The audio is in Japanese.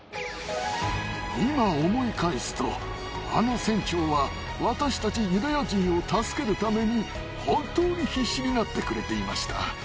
今、思い返すと、あの船長は、私たちユダヤ人を助けるために、本当に必死になってくれていました。